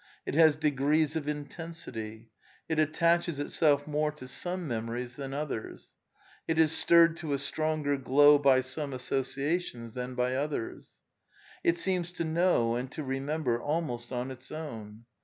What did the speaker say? It has degrees of intensity; it at taches itself more to some memories than others; it is stirred to a stronger glow by some associations than by others. It seems to know and to remember almost "on its own."